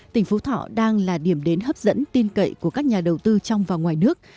tỉnh phú thọ đang là điểm đến hấp dẫn tin cậy của các nhà đầu tư trong và ngoài nước